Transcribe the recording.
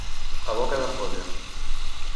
A boca d'ampolla.